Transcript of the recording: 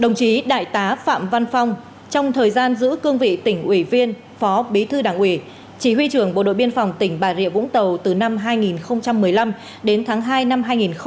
đồng chí đại tá phạm văn phong trong thời gian giữ cương vị tỉnh ủy viên phó bí thư đảng ủy chỉ huy trưởng bộ đội biên phòng tỉnh bà rịa vũng tàu từ năm hai nghìn một mươi năm đến tháng hai năm hai nghìn một mươi chín